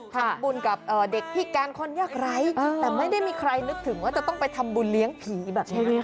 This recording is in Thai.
ทำบุญกับเด็กพิการคนยากไร้แต่ไม่ได้มีใครนึกถึงว่าจะต้องไปทำบุญเลี้ยงผีแบบนี้นะคะ